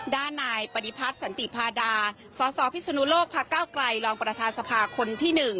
ด้านนายปฏิพัฒน์สันติพาดาสสพิศนุโลกพักเก้าไกลรองประธานสภาคนที่๑